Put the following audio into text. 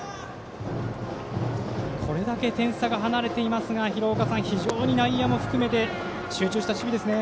これだけ点差が離れていますが非常に内野も含めて集中した守備ですね。